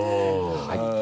はい。